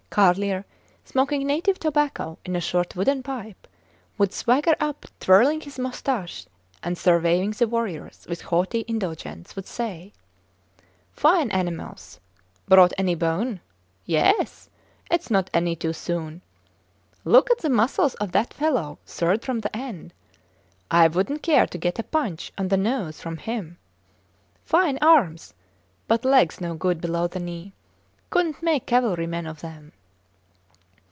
Carlier, smoking native tobacco in a short wooden pipe, would swagger up twirling his moustaches, and surveying the warriors with haughty indulgence, would say Fine animals. Brought any bone? Yes? Its not any too soon. Look at the muscles of that fellow third from the end. I wouldnt care to get a punch on the nose from him. Fine arms, but legs no good below the knee. Couldnt make cavalry men of them.